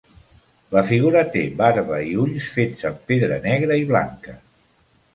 La figura té barba i ulls fets amb pedra negra i blanca.